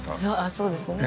そうですね。